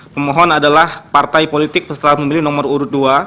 pemohon adalah partai politik peserta pemilu nomor urut dua